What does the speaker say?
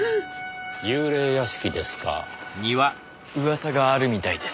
噂があるみたいです。